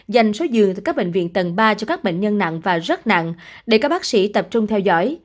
dành số giường từ các bệnh viện tầng ba cho các bệnh nhân nặng và rất nặng để các bác sĩ tập trung theo dõi